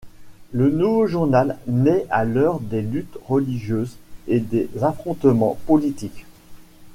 Le nouveau journal naît à l'heure des luttes religieuses et des affrontements politiques.